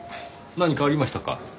何かありましたか？